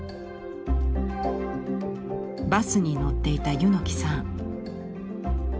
バスに乗っていた柚木さん。